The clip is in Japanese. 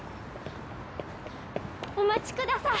お待ちください